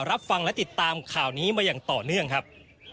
รับฟังและติดตามข่าวนี้มาอย่างต่อเนื่องครับ